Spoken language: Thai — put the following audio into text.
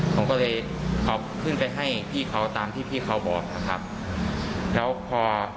ผมก็เลยขอขึ้นไปให้พี่เขาตามที่พี่เขาบอกนะครับแล้วพอ